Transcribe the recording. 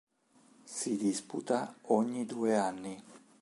Si disputa ogni due anni.